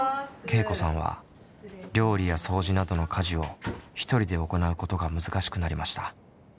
けいこさんは料理や掃除などの家事を１人で行うことが難しくなりました。